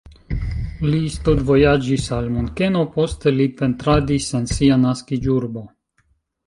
Li studvojaĝis al Munkeno, poste li pentradis en sia naskiĝurbo.